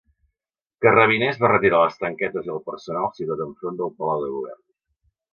Carrabiners va retirar les tanquetes i el personal situat enfront del palau de govern.